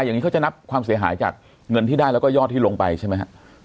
อย่างนี้เขาจะนับความเสียหายจากเงินที่ได้แล้วก็ยอดที่ลงไปใช่ไหมครับ